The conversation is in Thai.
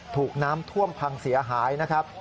ถูกน้ำท่วมพังเสียหายนะครับ